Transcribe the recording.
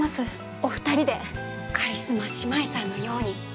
お二人でカリスマ姉妹さんのように。